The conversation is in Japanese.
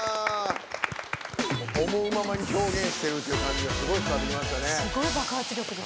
思うままに表現してるって感じが伝わってきましたね。